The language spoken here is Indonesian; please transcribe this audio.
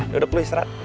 duduk dulu istirahat